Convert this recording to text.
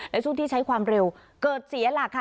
และช่วงที่ใช้ความเร็วเกิดเสียหลักค่ะ